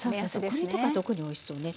これとか特においしそうね。